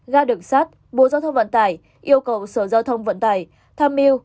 ga đường sát bộ giao thông vận tải yêu cầu sở giao thông vận tải tham mưu